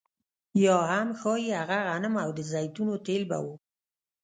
یا هم ښايي هغه غنم او د زیتونو تېل به وو